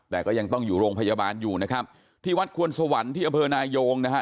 แต่ก็ยังต้องอยู่โรงพยาบาลอยู่นะครับที่วัดควรสวรรค์ที่อำเภอนายงนะฮะ